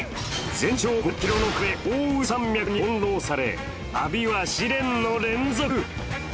全長５００ｋｍの壁奥羽山脈に翻弄され旅は試練の連続。